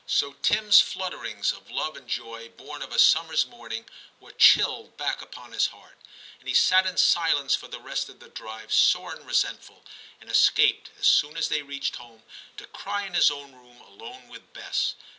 So Tim's flutterings of love and joy born of a summer s morning were chilled back upon his heart, and he sat in silence for the rest of the drive sore and resentful, and escaped as soon as they reached home to cry in his own room alone with Bess.